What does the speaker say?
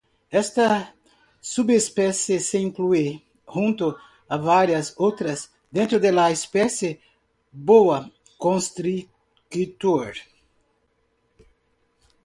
Esta subespecie se incluye, junto a varias otras, dentro de la especie "Boa constrictor".